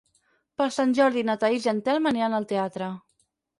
Per Sant Jordi na Thaís i en Telm aniran al teatre.